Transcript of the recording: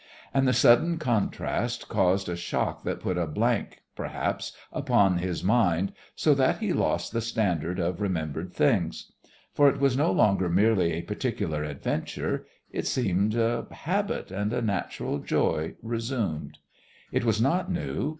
And the sudden contrast caused a shock that put a blank, perhaps, upon his mind, so that he lost the standard of remembered things. For it was no longer merely a particular adventure; it seemed a habit and a natural joy resumed. It was not new.